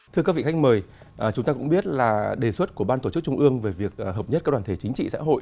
thưa các vị khách mời chúng ta cũng biết là đề xuất của ban tổ chức trung ương về việc hợp nhất các đoàn thể chính trị xã hội